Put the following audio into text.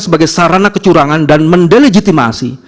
sebagai sarana kecurangan dan mendelegitimasi